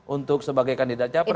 untuk sebagai kandidat caper